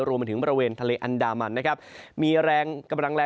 รวมมาถึงเเบาหวีทะเลอันดามันนะครับ